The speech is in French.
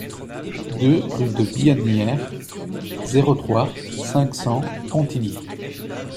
deux rue de Billonnière, zéro trois, cinq cents Contigny